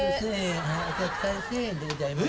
お客さん１，０００円でございます。